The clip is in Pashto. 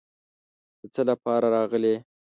د څه لپاره راغلې.